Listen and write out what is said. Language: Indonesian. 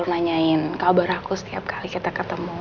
nanyain kabar aku setiap kali kita ketemu